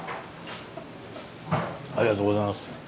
ありがとうございます。